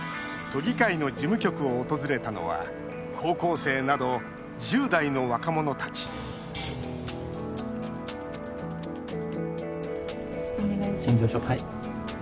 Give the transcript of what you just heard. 都議会の事務局を訪れたのは高校生など１０代の若者たち陳情書、はい。